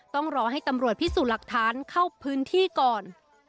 ต้องรอให้ตำรวจพิสูจน์หลักฐานเข้าพื้นที่ก่อน